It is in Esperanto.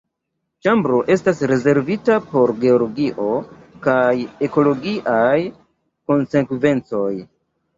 Ĉambro estas rezervita por geologio kaj ekologiaj konsekvencoj.